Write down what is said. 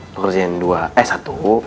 lu tulisin yang dua eh satu